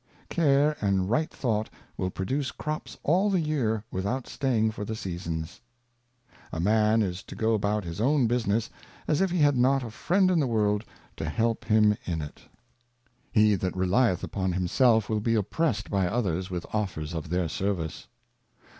Care and right Thought will produce Crops all the Year with out staying for the Seasons. A Man is to go about his own Business as if he had not a Friend in the World to help him in it. He 246 3Iiscellaneous Thoughts He that relieth upon himself will be oppressed by others with Offers of their Service.